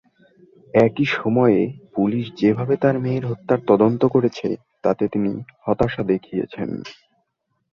একই সময়ে, পুলিশ যেভাবে তার মেয়ের হত্যার তদন্ত করেছে তাতে তিনি হতাশা দেখিয়েছেন।